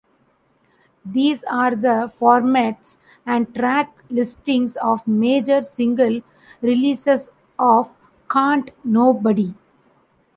These are the formats and track listings of major single-releases of Can't Nobody.